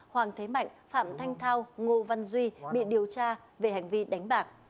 hoàng thế mạnh phạm thanh thao ngô văn duy bị điều tra về hành vi đánh bạc